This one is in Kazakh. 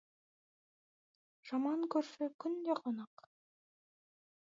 Жаман көрші — күнде қонақ.